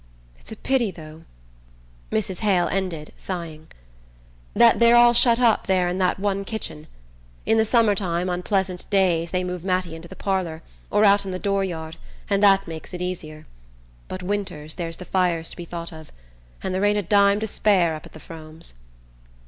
It's a pity, though," Mrs. Hale ended, sighing, "that they're all shut up there'n that one kitchen. In the summertime, on pleasant days, they move Mattie into the parlour, or out in the door yard, and that makes it easier... but winters there's the fires to be thought of; and there ain't a dime to spare up at the Fromes.'"